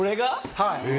はい。